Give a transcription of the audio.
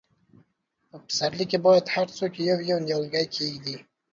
په پسرلي کې باید هر څوک یو، یو نیالګی کښېږدي.